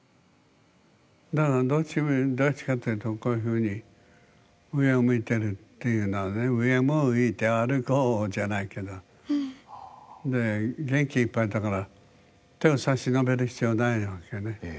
だからどっちかというとこういうふうに上を向いてるっていうのはね「上を向いて歩こう」じゃないけどで元気いっぱいだから手を差し伸べる必要ないわけね。